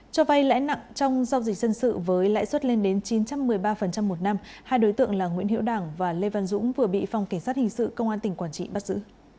cho vay lãi nặng trong giao dịch dân sự với lãi suất lên đến chín trăm một mươi ba một năm hai đối tượng là nguyễn hiệu đảng và lê văn dũng vừa bị phòng cảnh sát hình sự công an tỉnh quảng trị bắt giữ